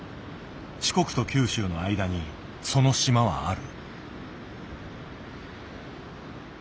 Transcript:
四国と九州の間にその島はある。